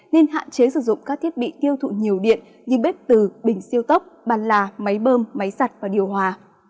nên hạn chế sử dụng các thiết bị tiêu thụ nhiều điện như bếp từ bình siêu tốc bàn là máy bơm máy giặt và điều hòa